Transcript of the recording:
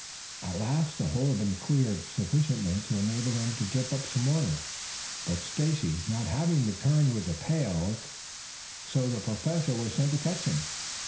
At last the hole had been cleared sufficiently to enable them to dip up some water, but Stacy not having returned with the pails, the Professor was sent to fetch him.